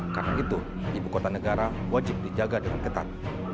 karena itu ibu kota negara wajib dijaga dengan ketat